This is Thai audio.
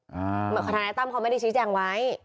ทนายตั้มเขาไม่ได้ชี้แจงไว้